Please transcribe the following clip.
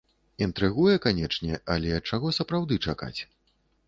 Інтрыгуе, канечне, але чаго сапраўды чакаць?